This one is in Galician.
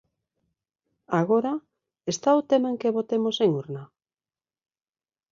Agora, ¿está o tema en que votemos en urna?